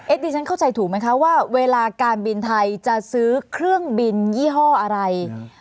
ดิฉันเข้าใจถูกไหมคะว่าเวลาการบินไทยจะซื้อเครื่องบินยี่ห้ออะไร